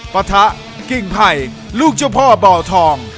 ปะทะกิ่งไผ่ลูกเจ้าพ่อบ่อทอง